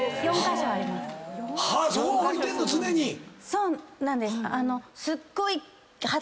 そうなんです。